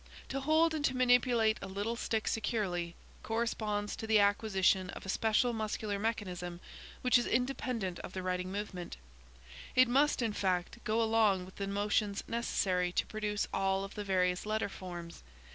To hold and to manipulate a little stick securely, corresponds to the acquisition of a special muscular mechanism which is independent of the writing movement; it must in fact go along with the motions necessary to produce all of the various letter forms.